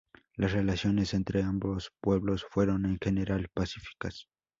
Las relaciones entre ambos pueblos fueron en general pacíficas.